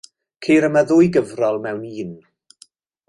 Ceir yma ddwy gyfrol mewn un.